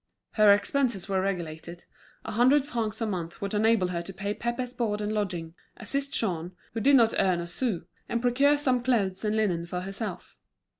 Her expenses were regulated; a hundred francs a month would enable her to pay Pépé's board and lodging, assist Jean, who did not earn a sou, and procure some clothes and linen for herself.